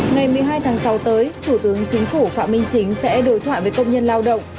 ngày một mươi hai tháng sáu tới thủ tướng chính phủ phạm minh chính sẽ đối thoại với công nhân lao động